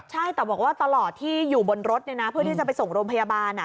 ใช่แต่บอกว่าตลอดที่อยู่บนรถเพื่อที่จะไปส่งโรงพยาบาล